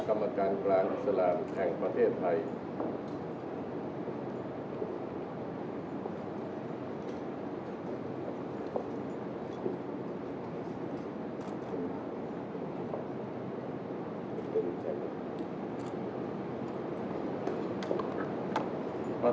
สวัสดีครับสวัสดีครับสวัสดีครับ